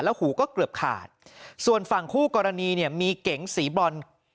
หูก็เกือบขาดส่วนฝั่งคู่กรณีเนี่ยมีเก๋งสีบรอน